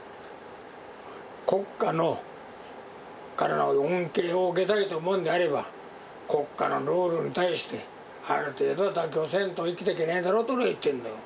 国家のからの恩恵を受けたいと思うのであれば国家のルールに対してある程度は妥協せんと生きていけねぇだろと俺は言ってるんだよ。